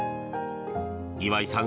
岩井さん